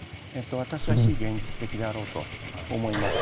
私は非現実的なことだと思います。